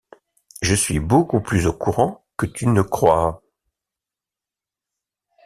Je suis beaucoup plus au courant que tu ne crois.